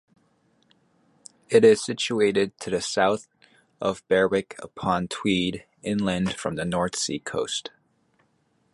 It is situated to the south of Berwick-upon-Tweed, inland from the North Sea coast.